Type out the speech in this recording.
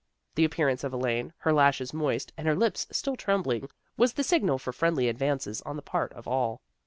The appearance of Elaine, her lashes moist, and her lips still trembling, was the signal for friendly advances on the part of all.